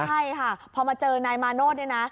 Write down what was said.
ใช่ค่ะพอมาเจอนายมาโนธเนี่ยนะ